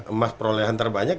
emas perolehan terbanyak